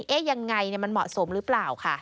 เอ๊ะอย่างไรมันเหมาะสมหรือเปล่าค่ะ